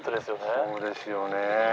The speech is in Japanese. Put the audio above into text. そうですよね。